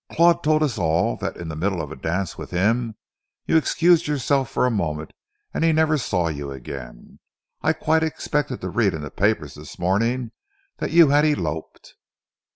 Claude told us all that, in the middle of a dance with him, you excused yourself for a moment and he never saw you again. I quite expected to read in the papers this morning that you had eloped."